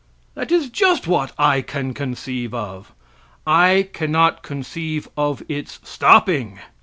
That is just what I can conceive of. I cannot conceive of its stopping.